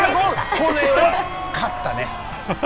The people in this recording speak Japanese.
これは勝ったね。